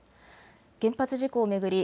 原発事故を巡り